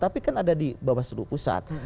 tapi kan ada di bawaslu pusat